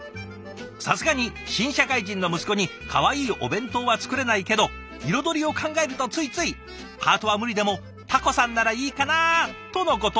「さすがに新社会人の息子にかわいいお弁当は作れないけど彩りを考えるとついついハートは無理でもタコさんならいいかな？」とのこと。